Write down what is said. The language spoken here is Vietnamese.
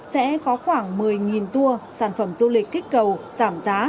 sẽ có khoảng một mươi tour sản phẩm du lịch kích cầu giảm giá